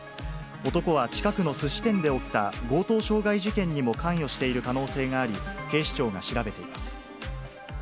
男は近くのすし店で起きた強盗傷害事件にも関与している可能性があり、警視庁が調べています。